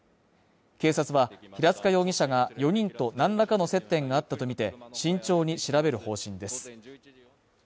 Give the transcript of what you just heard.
警察は平塚容疑者が４人と何らかの接点があったとみて慎重に調べる方針です。